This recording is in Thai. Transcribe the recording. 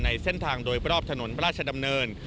ในเส้นทางโดยประอบถนนประชาดำเนิน